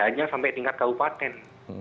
hanya sampai tingkat kabupaten